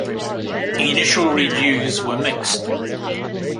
Initial reviews were mixed.